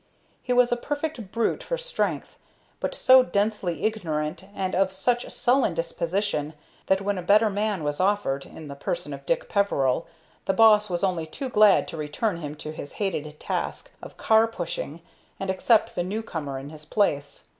He was a perfect brute for strength, but so densely ignorant and of such sullen disposition that when a better man was offered, in the person of Dick Peveril, the boss was only too glad to return him to his hated task of car pushing and accept the new comer in his place.